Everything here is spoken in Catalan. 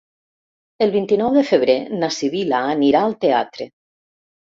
El vint-i-nou de febrer na Sibil·la anirà al teatre.